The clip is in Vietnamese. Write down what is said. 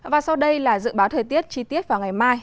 và sau đây là dự báo thời tiết chi tiết vào ngày mai